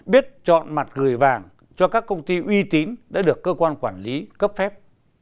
biết chọn mặt gửi vàng cho các công ty uy tín đã được cơ quan quản lý cấp phép